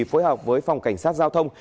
phối hợp với phòng cảnh sát giao thông